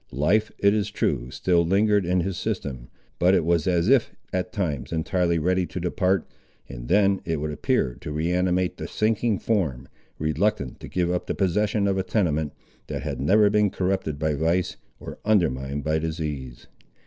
Life, it is true, still lingered in his system; but it was as if at times entirely ready to depart, and then it would appear to re animate the sinking form, reluctant to give up the possession of a tenement, that had never been corrupted by vice, or undermined by disease.